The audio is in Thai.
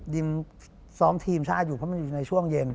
ดิมซ้อมทีมชาติอยู่เพราะมันอยู่ในช่วงเย็น